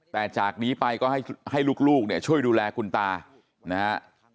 แต่จากนี้ไปก็ให้ลูกเนี่ยช่วยดูแลคุณตานะฮะ